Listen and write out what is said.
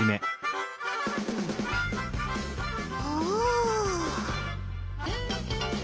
おお。